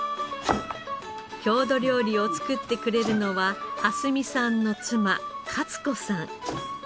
郷土料理を作ってくれるのは荷見さんの妻カツ子さん。